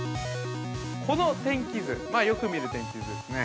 この天気図、よく見る天気図ですね。